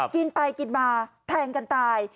กินไปกินมาแทงกันตาย